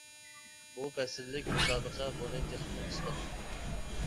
بۇ پەسىللىك مۇسابىقە بۇنى تېخىمۇ ئىسپاتلىدى.